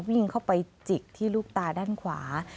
วิ่งเข้าไปจิกที่ลูกตาด้านขวา